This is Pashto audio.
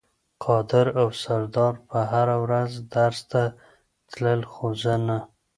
قادر او سردار به هره ورځ درس ته تلل خو زه نه.